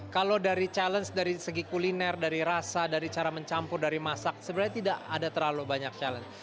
kalau dari challenge dari segi kuliner dari rasa dari cara mencampur dari masak sebenarnya tidak ada terlalu banyak challenge